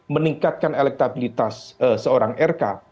meningkatkan elektabilitas seorang rk